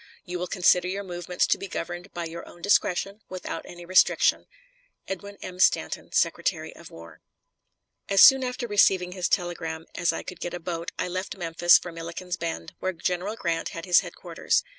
You will consider your movements to be governed by your own discretion, without any restriction. EDWIN M. STANTON, Secretary of War. As soon after receiving his telegram as I could get a boat I left Memphis for Milliken's Bend, where General Grant had his headquarters.